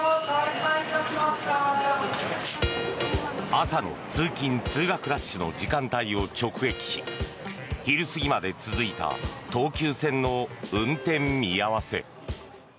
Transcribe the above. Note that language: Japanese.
朝の通勤・通学ラッシュの時間帯を直撃し昼過ぎまで続いた東急線の運転見合わせ。